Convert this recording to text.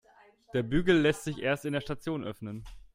Der Bügel lässt sich erst in der Station öffnen.